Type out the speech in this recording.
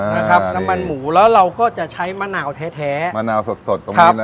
นะครับน้ำมันหมูแล้วเราก็จะใช้มะนาวแท้แท้มะนาวสดสดตรงนี้นะครับ